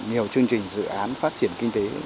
nhiều chương trình dự án phát triển kinh tế